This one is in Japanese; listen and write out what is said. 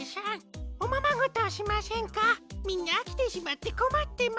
みんなあきてしまってこまってます。